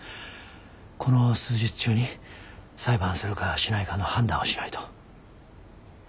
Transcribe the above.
この数日中に裁判するかしないかの判断をしないと。